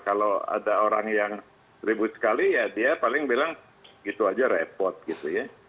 kalau ada orang yang ribut sekali ya dia paling bilang gitu aja repot gitu ya